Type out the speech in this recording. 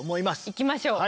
いきましょう。